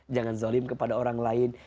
jangan zolim kepada orang lain